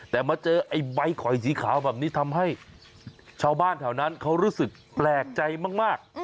แต่มาเจอไอ้ใบข่อยสีขาวแบบนี้ทำให้ชาวบ้านแถวนั้นเขารู้สึกแปลกใจมาก